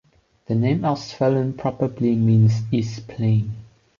The name "Ostfalen" probably means "east plain".